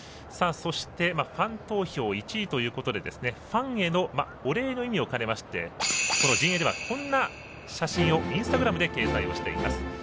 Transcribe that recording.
そして、ファン投票１位ということでファンへのお礼の意味を兼ねましてこの陣営ではこんな写真をインスタグラムで掲載しています。